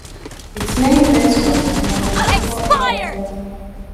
Its main base was Domodedovo Airport.